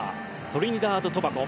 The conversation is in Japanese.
トリニダード・トバゴ。